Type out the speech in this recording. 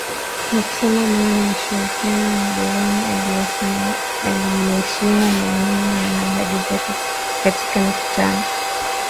Na kusema maana ya ushirikiano na jirani anayeheshimu maneno na ahadi zake katika mikutano kadhaa ambayo imefanyika